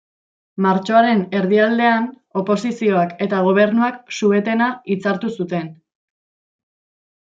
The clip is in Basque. Martxoaren erdialdean, oposizioak eta gobernuak su-etena hitzartu zuten.